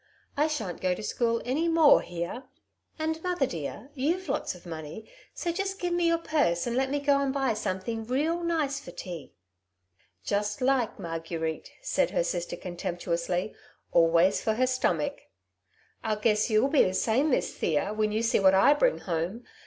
" I shan't go to school any more Aere ; and, mother dear, you've lots of money, so just give me your purse, and let me go and buy something real nice for tea." " Just like Marguerite !" said her sister con temptuously ;" always for her stomach." ^' I guess you'll be the same, Miss Thea, when you see what I bring home.